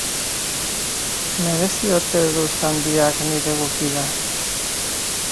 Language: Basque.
Merezi ote du Sandiak nire gupida?